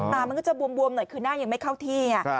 มันก็จะบวมหน่อยคือหน้ายังไม่เข้าที่